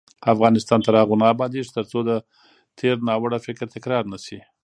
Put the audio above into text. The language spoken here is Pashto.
افغانستان تر هغو نه ابادیږي، ترڅو د تیر ناوړه فکر تکرار نشي.